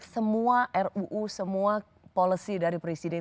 semua ruu semua policy dari presiden